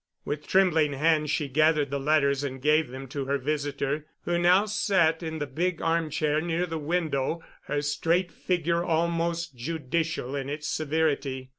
With trembling hands she gathered the letters and gave them to her visitor, who now sat in the big armchair near the window, her straight figure almost judicial in its severity.